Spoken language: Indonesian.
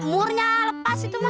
murnya lepas itu emak